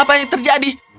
apa yang terjadi